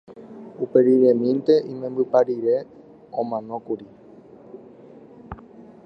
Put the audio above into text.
uperiremínte imembypa rire omanókuri